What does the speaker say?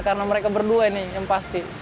karena mereka berdua nih yang pasti